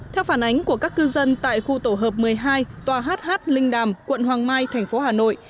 theo phản ánh của các cư dân tại khu tổ hợp một mươi hai tòa hh linh đàm quận hoàng mai thành phố hà nội